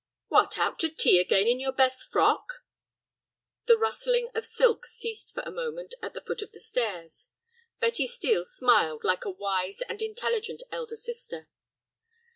"What, out to tea again in your best frock?" The rustling of silk ceased for a moment at the foot of the stairs. Betty Steel smiled like a wise and intelligent elder sister.